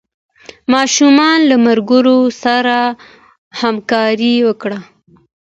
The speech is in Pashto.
ماشوم له ملګرو سره همکاري وکړه